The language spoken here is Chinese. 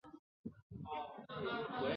柑橘黄龙病是柑橘类植物的严重疾病。